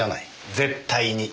絶対に。